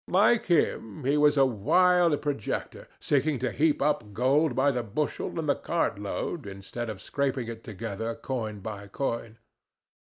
Like him, he was a wild projector, seeking to heap up gold by the bushel and the cart load instead of scraping it together coin by coin.